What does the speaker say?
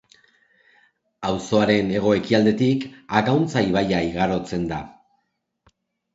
Auzoaren hego-ekialdetik Agauntza ibaia igarotzen da.